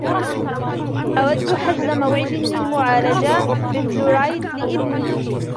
أود حجز موعد للمعالجة بالفلورايد لابني.